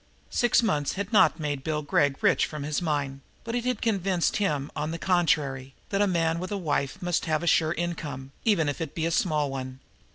Six months had not made Bill Gregg rich from his mine, but it had convinced him, on the contrary, that a man with a wife must have a sure income, even if it be a small one.